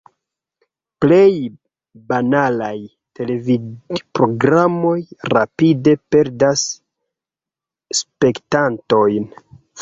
Plej banalaj televidprogramoj rapide perdas spektantojn.